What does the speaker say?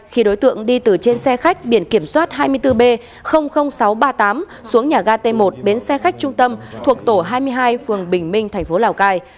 khi đối tượng đi từ trên xe khách biển kiểm soát hai mươi bốn b sáu trăm ba mươi tám xuống nhà ga t một bến xe khách trung tâm thuộc tổ hai mươi hai phường bình minh thành phố lào cai